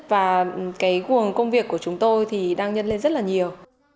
và cái nguồn công việc của chúng tôi thì chúng tôi cần phải chuẩn bị rất nhiều